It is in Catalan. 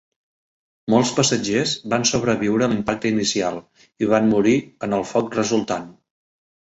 Molts passatgers van sobreviure a l'impacte inicial i van morir en el foc resultant.